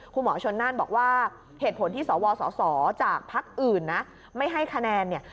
คุณหมอชนนั่นบอกว่าเหตุผลที่สวสสจากภักดิ์อื่นนะไม่ให้คะแนนเนี่ย